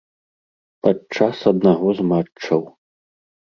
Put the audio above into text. Падчас аднаго з матчаў.